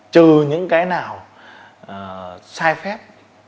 trừ những cái nào sai phép